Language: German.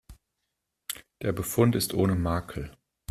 Der Befund ist ohne Makel.